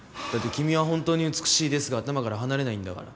「君は本当に美しいです」が頭から離れないんだから。